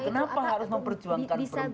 kenapa harus memperjuangkan perempuan gitu ya